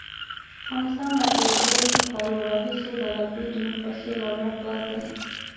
افغانستان له تېرو دولسو کالو راهیسې د غربي ډیموکراسۍ لابراتوار دی.